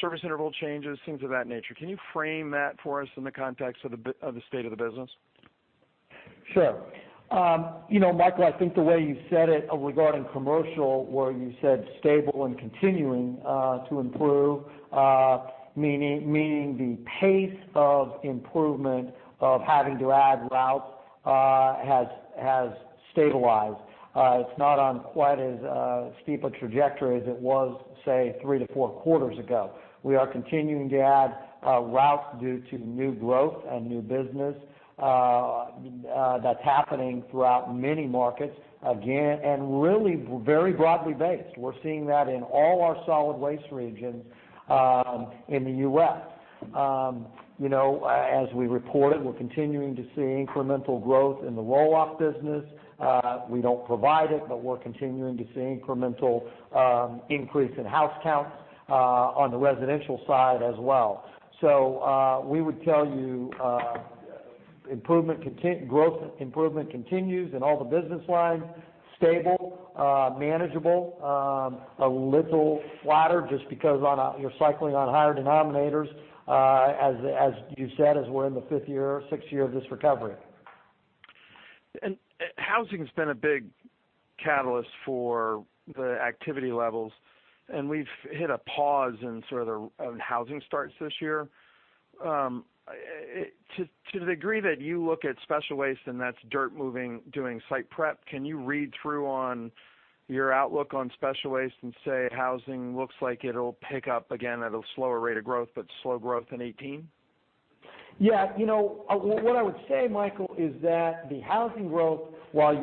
service interval changes, things of that nature. Can you frame that for us in the context of the state of the business? Sure. Michael, I think the way you said it regarding commercial, where you said stable and continuing to improve, meaning the pace of improvement of having to add routes has stabilized. It's not on quite as steep a trajectory as it was, say, 3 to 4 quarters ago. We are continuing to add routes due to new growth and new business that's happening throughout many markets, again, and really very broadly based. We're seeing that in all our solid waste regions in the U.S. As we reported, we're continuing to see incremental growth in the roll-off business. We don't provide it, but we're continuing to see incremental increase in house counts on the residential side as well. We would tell you growth improvement continues in all the business lines, stable, manageable, a little flatter just because you're cycling on higher denominators, as you said, as we're in the fifth year, sixth year of this recovery. Housing's been a big catalyst for the activity levels, and we've hit a pause in housing starts this year. To the degree that you look at special waste, and that's dirt moving, doing site prep, can you read through on your outlook on special waste and say housing looks like it'll pick up again at a slower rate of growth, but slow growth in 2018? Yeah. What I would say, Michael, is that the housing growth, while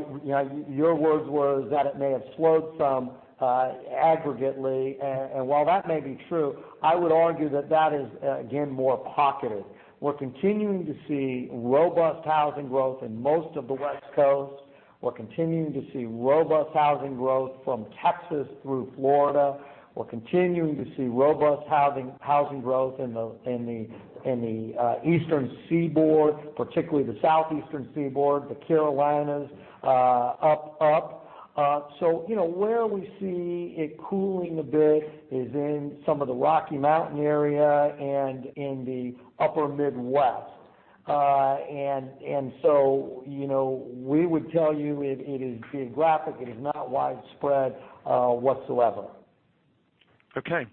your words were that it may have slowed some aggregately, and while that may be true, I would argue that is again more pocketed. We're continuing to see robust housing growth in most of the West Coast. We're continuing to see robust housing growth from Texas through Florida. We're continuing to see robust housing growth in the Eastern Seaboard, particularly the Southeastern Seaboard, the Carolinas up. Where we see it cooling a bit is in some of the Rocky Mountain area and in the upper Midwest. We would tell you it is geographic, it is not widespread whatsoever. Okay.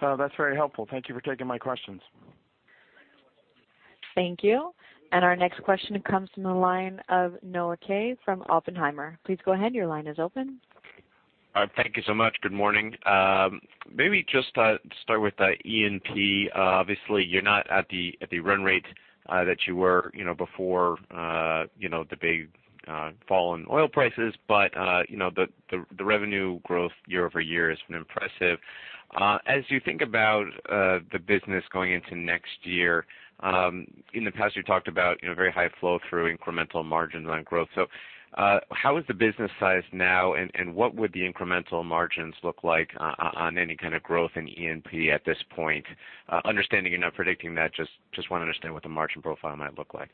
That's very helpful. Thank you for taking my questions. Thank you. Our next question comes from the line of Noah Kaye from Oppenheimer. Please go ahead, your line is open. Thank you so much. Good morning. Maybe just to start with E&P. Obviously, you're not at the run rate that you were before the big fall in oil prices, but the revenue growth year-over-year has been impressive. As you think about the business going into next year, in the past, you talked about very high flow through incremental margins on growth. How is the business sized now, and what would the incremental margins look like on any kind of growth in E&P at this point? Understanding you're not predicting that, just want to understand what the margin profile might look like.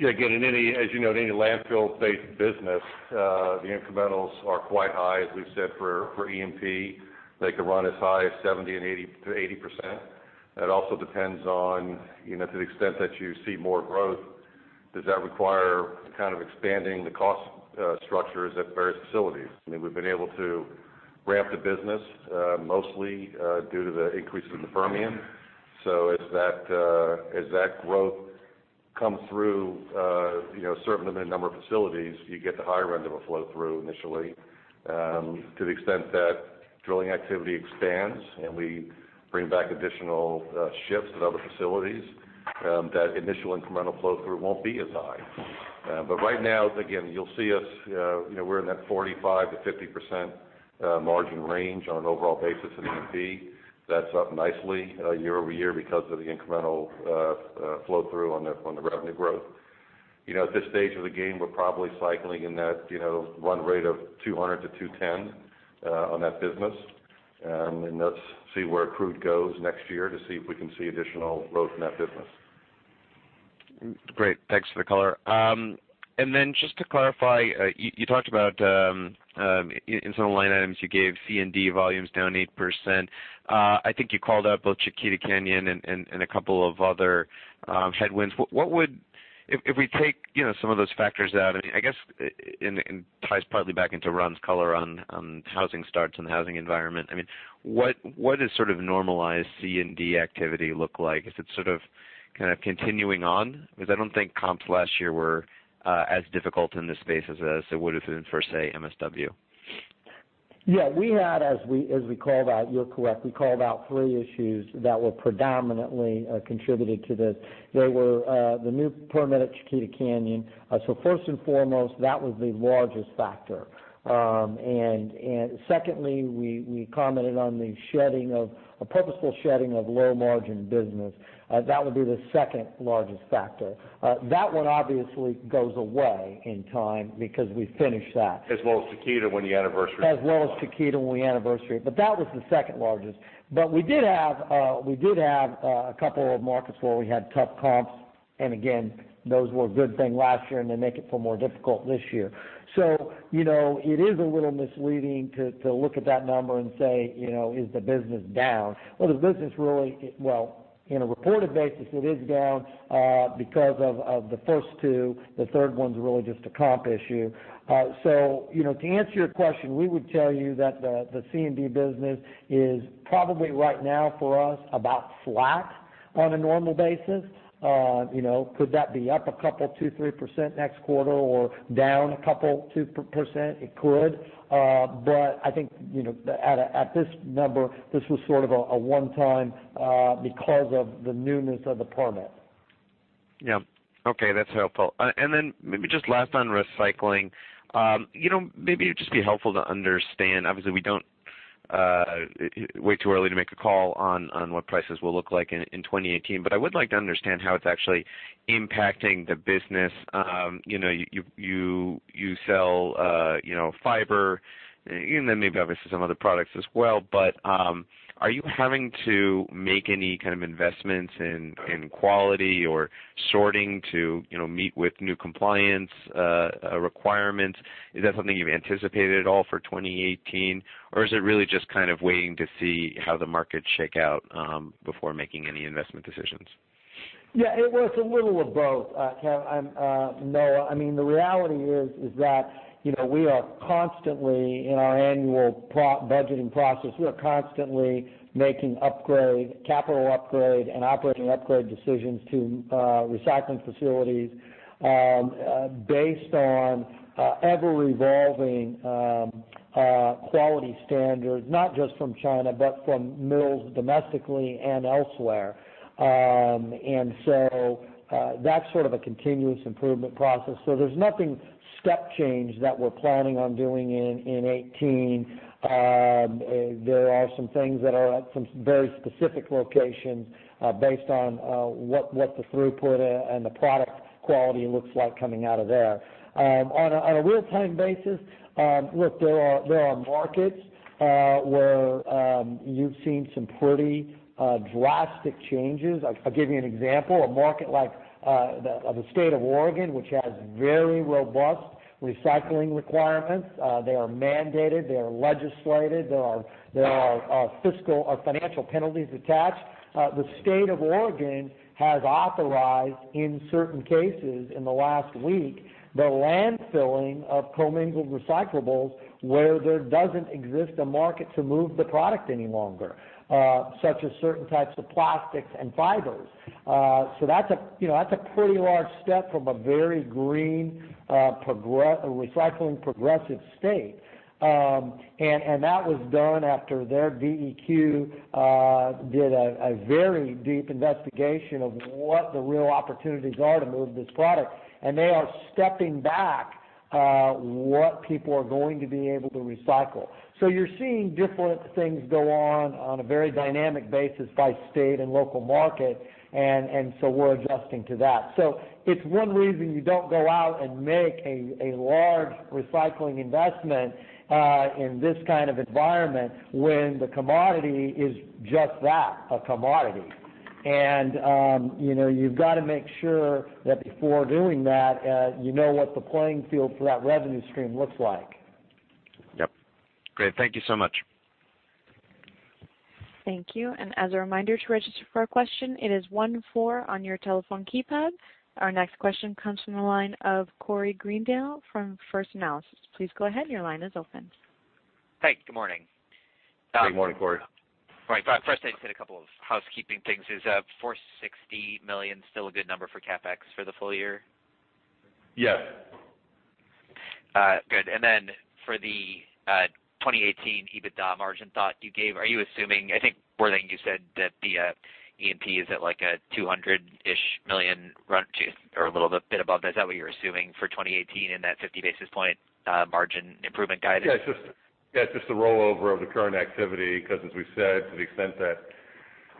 Yeah, again, as you know, in any landfill-based business, the incrementals are quite high. As we've said, for E&P, they could run as high as 70% and 80%. That also depends on, to the extent that you see more growth, does that require kind of expanding the cost structures at various facilities? We've been able to ramp the business mostly due to the increase in the Permian. As that growth comes through a certain number of facilities, you get the higher end of a flow through initially. To the extent that drilling activity expands and we bring back additional shifts at other facilities, that initial incremental flow through won't be as high. Right now, again, you'll see us, we're in that 45%-50% margin range on an overall basis in E&P. That's up nicely year-over-year because of the incremental flow through on the revenue growth. At this stage of the game, we're probably cycling in that run rate of 200-210 on that business. Let's see where crude goes next year to see if we can see additional growth in that business. Great. Thanks for the color. Just to clarify, you talked about in some of the line items you gave C&D volumes down 8%. I think you called out both Chiquita Canyon and a couple of other headwinds. If we take some of those factors out, and it ties partly back into Ron's color on housing starts and the housing environment. What does sort of normalized C&D activity look like? Is it sort of continuing on? I don't think comps last year were as difficult in this space as they would have been for, say, MSW. Yeah. You're correct. We called out three issues that were predominantly contributed to this. They were the new permit at Chiquita Canyon. First and foremost, that was the largest factor. Secondly, we commented on the purposeful shedding of low-margin business. That would be the second-largest factor. That one obviously goes away in time because we finished that. As well as Chiquita when the anniversary- That was the second largest. We did have a couple of markets where we had tough comps, and again, those were a good thing last year, and they make it far more difficult this year. It is a little misleading to look at that number and say, "Is the business down?" Well, in a reported basis, it is down because of the first two. The third one's really just a comp issue. To answer your question, we would tell you that the C&D business is probably right now for us about flat. On a normal basis, could that be up a couple, 2%-3% next quarter or down a couple, 2%? It could. I think, at this number, this was sort of a one-time because of the newness of the permit. Yeah. Okay, that's helpful. Maybe just last on recycling. Maybe it'd just be helpful to understand. Obviously, way too early to make a call on what prices will look like in 2018, I would like to understand how it's actually impacting the business. You sell fiber and then maybe obviously some other products as well, are you having to make any kind of investments in quality or sorting to meet with new compliance requirements? Is that something you've anticipated at all for 2018? Is it really just kind of waiting to see how the markets shake out before making any investment decisions? It was a little of both, Noah. The reality is that in our annual budgeting process, we are constantly making capital upgrade and operating upgrade decisions to recycling facilities based on ever-revolving quality standards, not just from China, but from mills domestically and elsewhere. That's sort of a continuous improvement process. There's nothing step change that we're planning on doing in 2018. There are some things that are at some very specific locations based on what the throughput and the product quality looks like coming out of there. On a real-time basis, look, there are markets where you've seen some pretty drastic changes. I'll give you an example. A market like the State of Oregon, which has very robust recycling requirements. They are mandated, they are legislated. There are fiscal or financial penalties attached. The State of Oregon has authorized, in certain cases in the last week, the landfilling of commingled recyclables where there doesn't exist a market to move the product any longer, such as certain types of plastics and fibers. That's a pretty large step from a very green recycling progressive state. That was done after their DEQ did a very deep investigation of what the real opportunities are to move this product. They are stepping back what people are going to be able to recycle. You're seeing different things go on on a very dynamic basis by state and local market, we're adjusting to that. It's one reason you don't go out and make a large recycling investment in this kind of environment when the commodity is just that, a commodity. You've got to make sure that before doing that, you know what the playing field for that revenue stream looks like. Yep. Great. Thank you so much. Thank you. As a reminder, to register for a question, it is one, four on your telephone keypad. Our next question comes from the line of Corey Greendale from First Analysis. Please go ahead. Your line is open. Hi, good morning. Good morning, Corey. Right. First, I just hit a couple of housekeeping things. Is $460 million still a good number for CapEx for the full year? Yes. Good. Then for the 2018 EBITDA margin thought you gave, I think more that you said that the E&P is at like a $200-ish million run or a little bit above. Is that what you're assuming for 2018 in that 50 basis point margin improvement guidance? Yeah, it's just the rollover of the current activity, because as we've said, to the extent that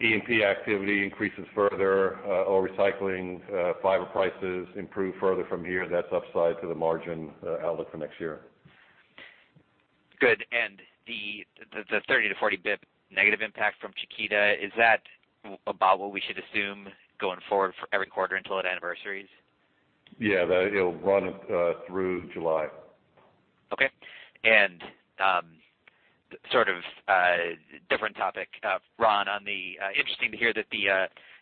E&P activity increases further or recycling fiber prices improve further from here, that's upside to the margin outlook for next year. Good. The 30 to 40 basis points negative impact from Chiquita, is that about what we should assume going forward for every quarter until it anniversaries? Yeah, it'll run through July. Okay. Sort of a different topic. Ron, interesting to hear that the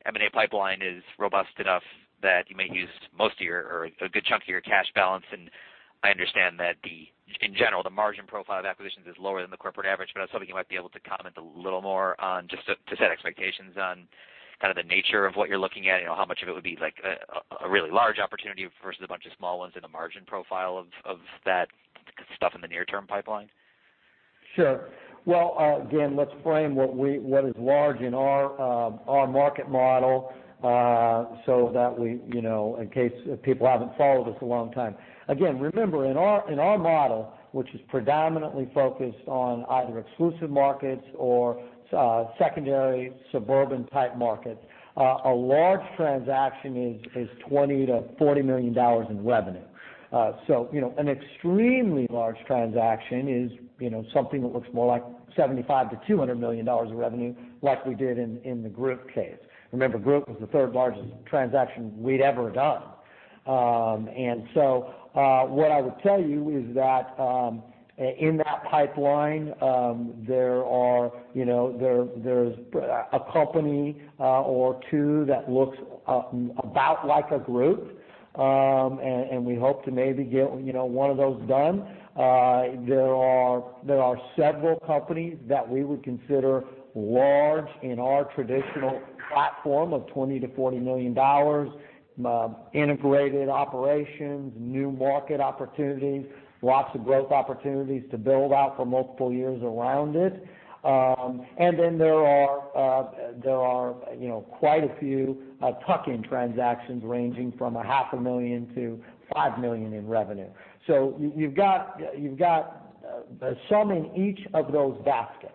M&A pipeline is robust enough that you may use a good chunk of your cash balance. I understand that in general, the margin profile of acquisitions is lower than the corporate average, but I was hoping you might be able to comment a little more on, just to set expectations on kind of the nature of what you're looking at. How much of it would be like a really large opportunity versus a bunch of small ones and the margin profile of that stuff in the near-term pipeline? Sure. Well, again, let's frame what is large in our market model, in case people haven't followed us a long time. Again, remember, in our model, which is predominantly focused on either exclusive markets or secondary suburban-type markets, a large transaction is $20 million-$40 million in revenue. An extremely large transaction is something that looks more like $75 million-$200 million of revenue, like we did in the Groot case. Remember, Groot was the third largest transaction we'd ever done. What I would tell you is that in that pipeline, there's a company or two that looks about like a Groot, and we hope to maybe get one of those done. There are several companies that we would consider large in our traditional platform of $20 million-$40 million, integrated operations, new market opportunities, lots of growth opportunities to build out for multiple years around it. There are quite a few tuck-in transactions ranging from a half a million to $5 million in revenue. You've got some in each of those baskets.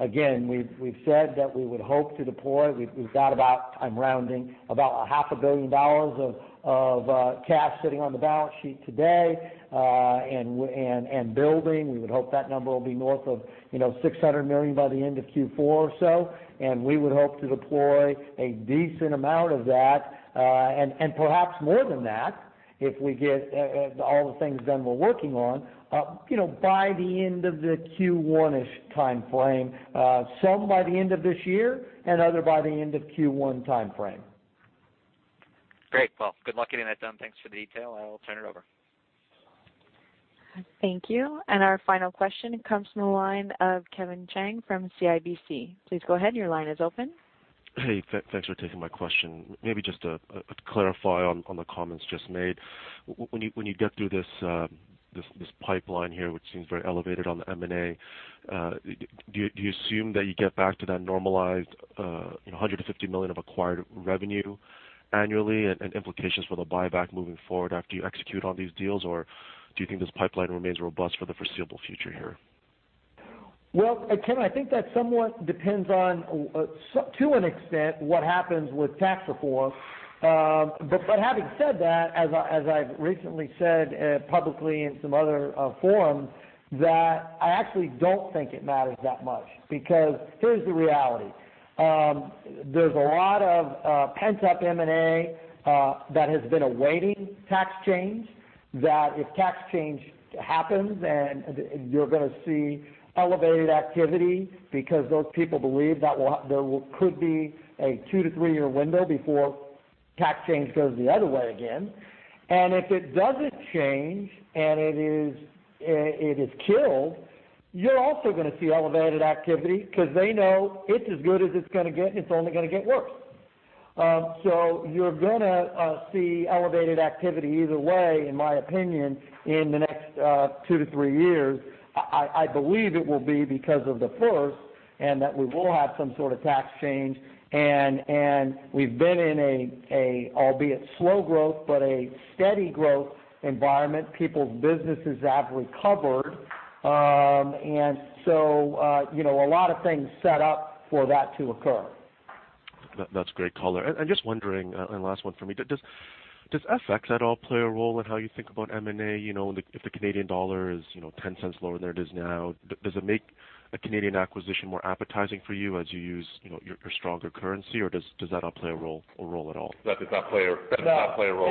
Again, we've said that we would hope to deploy. We've got about, I'm rounding, about a half a billion dollars of cash sitting on the balance sheet today, and building. We would hope that number will be north of $600 million by the end of Q4 or so, and we would hope to deploy a decent amount of that, and perhaps more than that, if we get all the things done we're working on, by the end of the Q1-ish timeframe. Some by the end of this year, and other by the end of Q1 timeframe. Great. Good luck getting that done. Thanks for the detail, and I'll turn it over. Thank you. Our final question comes from the line of Kevin Chiang from CIBC. Please go ahead, your line is open. Hey, thanks for taking my question. Maybe just to clarify on the comments just made. When you get through this pipeline here, which seems very elevated on the M&A, do you assume that you get back to that normalized $150 million of acquired revenue annually and implications for the buyback moving forward after you execute on these deals, or do you think this pipeline remains robust for the foreseeable future here? Well, Kevin, I think that somewhat depends on, to an extent, what happens with tax reform. Having said that, as I've recently said publicly in some other forums, that I actually don't think it matters that much, because here's the reality. There's a lot of pent-up M&A that has been awaiting tax change, that if tax change happens, you're gonna see elevated activity because those people believe that there could be a two to three-year window before tax change goes the other way again. If it doesn't change and it is killed, you're also gonna see elevated activity because they know it's as good as it's gonna get, and it's only gonna get worse. You're gonna see elevated activity either way, in my opinion, in the next two to three years. I believe it will be because of the first, and that we will have some sort of tax change. We've been in a, albeit slow growth, but a steady growth environment. People's businesses have recovered. A lot of things set up for that to occur. That's great color. Just wondering, and last one from me, does FX at all play a role in how you think about M&A? If the Canadian dollar is 0.10 lower than it is now, does it make a Canadian acquisition more appetizing for you as you use your stronger currency, or does that not play a role at all? That does not play a role.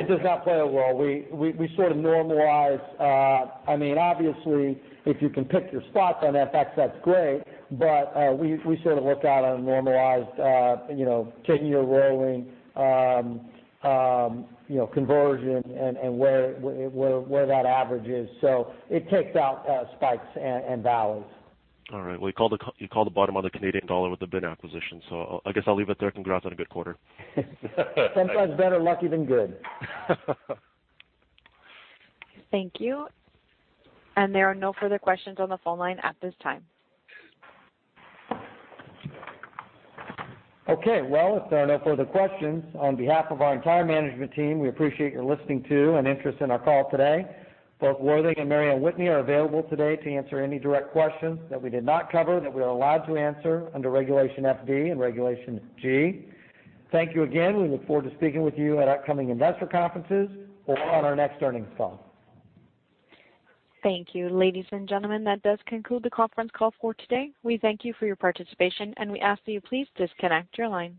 No, it does not play a role. We sort of normalize. Obviously, if you can pick your spots on FX, that's great, but we sort of look out on a normalized 10-year rolling conversion and where that average is. It takes out spikes and valleys. All right. Well, you called the bottom of the Canadian dollar with the BIN acquisition, I guess I'll leave it there. Congrats on a good quarter. Sometimes better lucky than good. Thank you. There are no further questions on the phone line at this time. Okay. Well, if there are no further questions, on behalf of our entire management team, we appreciate your listening to and interest in our call today. Both Worthing and Mary Anne Whitney are available today to answer any direct questions that we did not cover that we are allowed to answer under Regulation FD and Regulation G. Thank you again. We look forward to speaking with you at upcoming investor conferences or on our next earnings call. Thank you. Ladies and gentlemen, that does conclude the conference call for today. We thank you for your participation, and we ask that you please disconnect your lines.